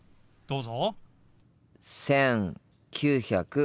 どうぞ。